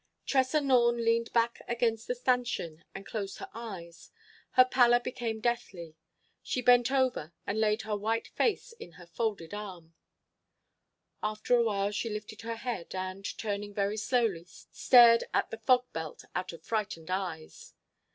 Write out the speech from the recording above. Tressa Norne leaned back against the stanchion and closed her eyes. Her pallor became deathly. She bent over and laid her white face in her folded arms. After a while she lifted her head, and, turning very slowly, stared at the fog belt out of frightened eyes.